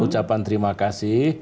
ucapan terima kasih